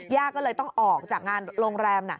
ย่าก็เลยต้องออกจากงานโรงแรม